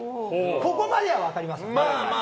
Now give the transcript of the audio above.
ここまでは分かりますよ。